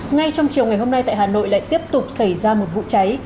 ngay trong chiều ngày hôm nay tại hà nội lại tiếp tục xảy ra một vụ cháy